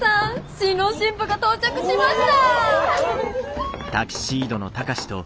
新郎新婦が到着しました！